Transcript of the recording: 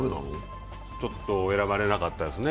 ちょっと選ばれなかったですね